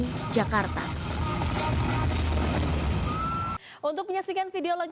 kevin sudah jatuh karakternya sudah jatuh karena dia sudah sampai pulang